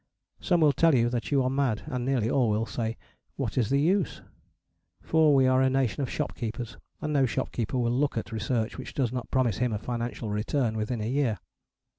Some will tell you that you are mad, and nearly all will say, "What is the use?" For we are a nation of shopkeepers, and no shopkeeper will look at research which does not promise him a financial return within a year.